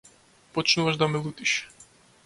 Почнуваш да ме лутиш.